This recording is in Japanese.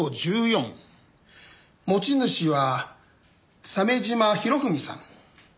持ち主は鮫島博文さん。